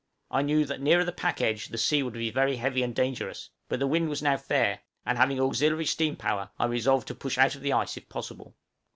I knew that near the pack edge the sea would be very heavy and dangerous; but the wind was now fair, and having auxiliary steam power, I resolved to push out of the ice if possible.